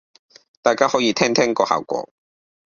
大家可以聽聽個效果